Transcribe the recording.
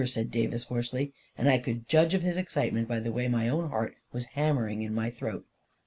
" said Davis, hoarsely, and I could judge of his excitement by the way my own heart was hammering in my throat.